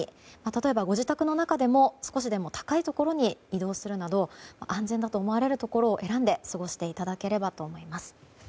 例えば、ご自宅の中でも少しでも高いところに移動するなど安全だと思われる場所を選んで過ごしていただければと思います。